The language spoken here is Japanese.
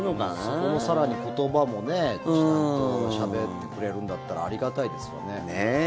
そこも更に言葉もちゃんとしゃべってくれるんだったらありがたいですよね。